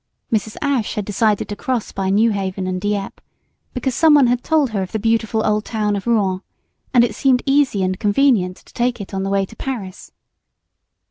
Mrs. Ashe had decided to cross by Newhaven and Dieppe, because some one had told her of the beautiful old town of Rouen, and it seemed easy and convenient to take it on the way to Paris.